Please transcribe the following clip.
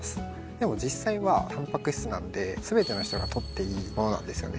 でも実際はタンパク質なんで全ての人が取っていい物なんですよね。